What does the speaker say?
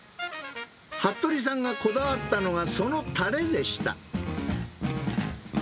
服部さんがこだわったのが、そのたれでした。